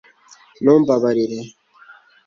ntumbabarire